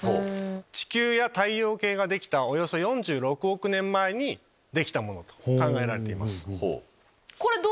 地球や太陽系ができたおよそ４６億年前にできたものと考えられています。